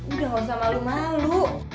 udah gak usah malu malu